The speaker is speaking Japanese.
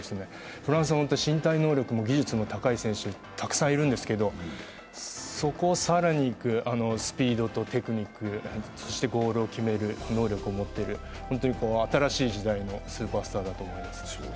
フランスは、技術も身体能力も高い選手がたくさんいるんですけど、そこを更にいくスピードとテクニック、そしてゴールを決める能力を持っている新しい時代のスーパースターだと思います。